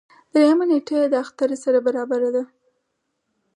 دريیمه نېټه یې د اختر سره برابره ده.